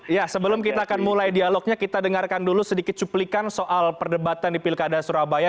ya sebelum kita akan mulai dialognya kita dengarkan dulu sedikit cuplikan soal perdebatan di pilkada surabaya